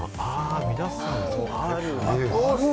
皆さん、ある。